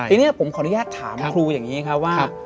ทีนี้ผมขออนุญาตถามครูอย่างนี้ครับว่า